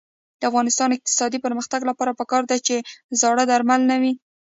د افغانستان د اقتصادي پرمختګ لپاره پکار ده چې زاړه درمل نه وي.